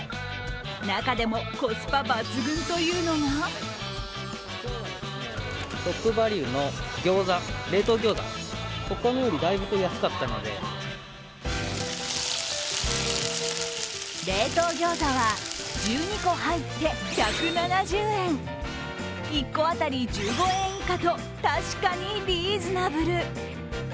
中でもコスパ抜群というのが冷凍ギョーザは１２個入って１７０円１個当たり１５円以下と確かにリーズナブル。